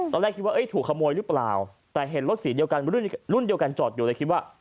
ตอนแรกคิดว่าถูกขโมยหรือเปล่าแต่เห็นรถสีเดียวกันรุ่นเดียวกันจอดอยู่เลยคิดว่า